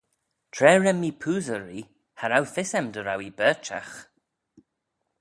Tra ren mee poosey ree, cha row fys aym dy row ee berçhagh.